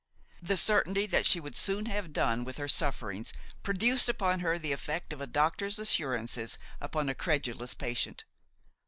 The certainty that she would soon have done with her sufferings produced upon her the effect of a doctor's assurances upon a credulous patient.